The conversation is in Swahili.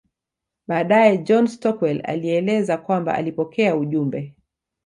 Baadae John Stockwell alieleza kwamba alipokea ujumbe